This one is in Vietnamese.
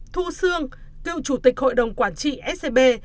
thu sương cựu chủ tịch hội đồng quản trị scb